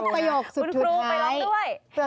ชอบประโยคสุดท้าย